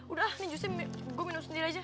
udah ini jusnya gue minum sendiri aja